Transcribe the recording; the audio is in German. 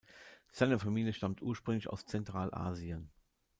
Seine Familie stammt ursprünglich aus Zentralasien.